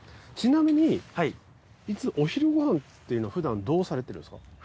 ちなみにお昼ご飯っていうのはふだんどうされてるんですか？